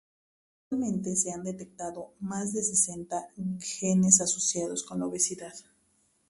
Actualmente se han detectado más de sesenta genes asociados con la obesidad.